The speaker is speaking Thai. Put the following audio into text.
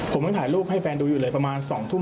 ผมยังถ่ายรูปให้แฟนดูอยู่เลยประมาณ๒ทุ่ม